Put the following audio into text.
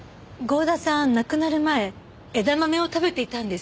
郷田さん亡くなる前枝豆を食べていたんです。